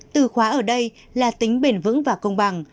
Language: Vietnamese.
từ khóa ở đây là tính bền vững và công bằng